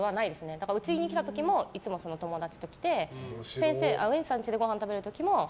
だから、うちに来た時も先生ウエンツさんちでごはん食べる時も。